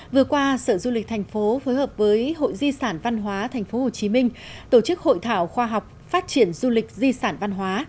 vừa qua sở du lịch thành phố phối hợp với hội di sản văn hóa tp hcm tổ chức hội thảo khoa học phát triển du lịch di sản văn hóa